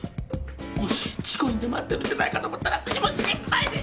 もし事故にでも遭ってるんじゃないかと思ったら私もう心配で心配で！